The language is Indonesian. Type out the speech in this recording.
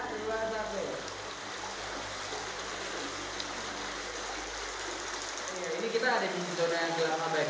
ini kita ada di zona gelap abadi